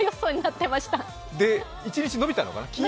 一日、延びたのかな？